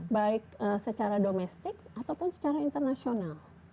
baik secara domestik ataupun secara internasional